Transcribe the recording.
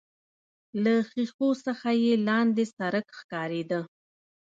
له ښيښو څخه يې لاندې سړک ښکارېده.